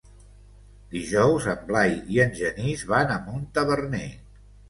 Dijous en Blai i en Genís van a Montaverner.